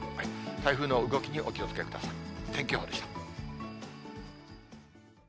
台風の動きにお気をつけください。